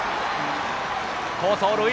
好走塁！